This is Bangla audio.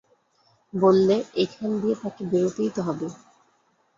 বললে, এইখান দিয়ে তাকে বেরোতেই তো হবে।